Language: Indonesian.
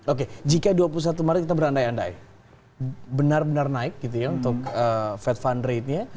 oke jika dua puluh satu maret kita berandai andai benar benar naik gitu ya untuk fed fund ratenya